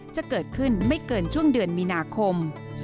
จะเกิดขึ้นไม่เกินช่วงเดือนมีนาคม